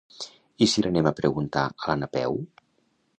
I si li anem a preguntar a la Napeu?